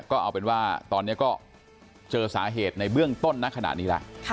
ก็เอาเป็นว่าตอนนี้ก็เจอสาเหตุในเบื้องต้นณขณะนี้แล้ว